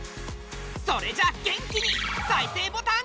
それじゃあ元気に再生ボタン。